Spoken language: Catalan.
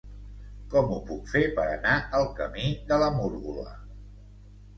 Com ho puc fer per anar al camí de la Múrgola?